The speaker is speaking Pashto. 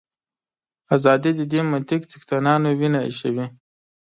ازادي د دې منطق څښتنانو وینه ایشوي.